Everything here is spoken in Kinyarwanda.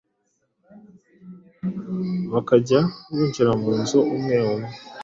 bakajya binjira mu nzu umwe umwe.